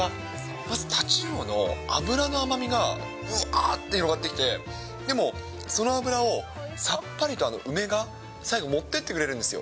まず太刀魚の脂の甘みがわーって広がってきて、でもその脂をさっぱりと梅が最後持ってってくれるんですよ。